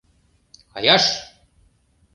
— Каяш!